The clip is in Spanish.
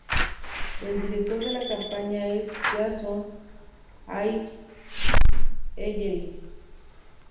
El director de la compañía es Jason Haigh-Ellery.